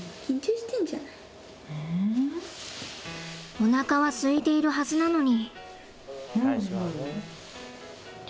おなかはすいているはずなのに。